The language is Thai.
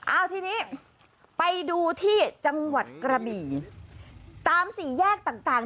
เอาทีนี้ไปดูที่จังหวัดกระบี่ตามสี่แยกต่างต่าง